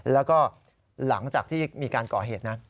แล้วก็หลังจากที่มีการก่อเหตุนะ